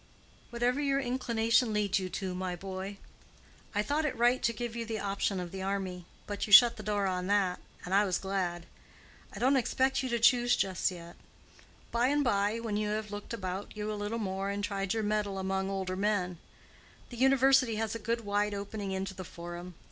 "Whatever your inclination leads you to, my boy. I thought it right to give you the option of the army, but you shut the door on that, and I was glad. I don't expect you to choose just yet—by and by, when you have looked about you a little more and tried your mettle among older men. The university has a good wide opening into the forum.